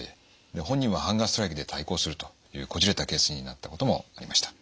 で本人はハンガーストライキで対抗するというこじれたケースになったこともありました。